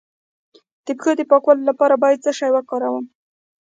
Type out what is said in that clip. د پښو د پاکوالي لپاره باید څه شی وکاروم؟